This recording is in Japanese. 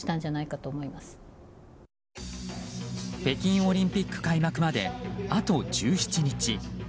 北京オリンピック開幕まであと１７日。